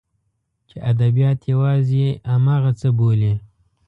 چې ادبیات یوازې همغه څه بولي.